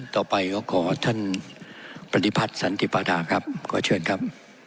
ต่อไปก็ขอท่านปฏิพัฒน์สันติปาดาครับขอเชิญครับ